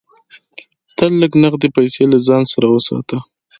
تل لږ نغدې پیسې له ځان سره وساته.